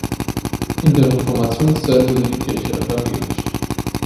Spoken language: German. In der Reformationszeit wurde die Kirche evangelisch.